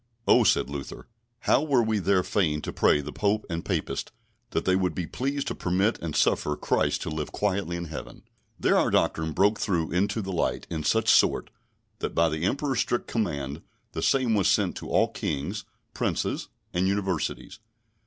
Oh, said Luther, how were we there fain to pray the Pope and Papists, that they would be pleased to permit and suffer Christ to live quietly in heaven! There our doctrine broke through into the light in such sort, that by the Emperor's strict command the same was sent to all Kings, Princes, and Universities.